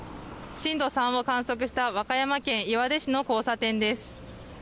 震度３を観測した和歌山県岩出市の交差点です。